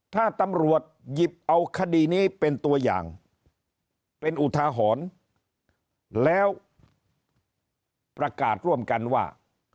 ถ้าตำรวจหยิบเอาคดีนี้เป็นตัวอย่างเป็นอุทาหรณ์แล้วประกาศร่วมกันว่า